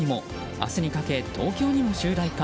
明日にかけ、東京にも襲来か。